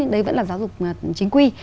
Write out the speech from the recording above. đấy vẫn là giáo dục chính quy